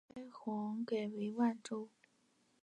开皇改为万州。